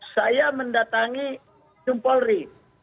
saya mendatangi jempol ri